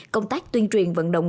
công tác tuyên truyền vận động lưu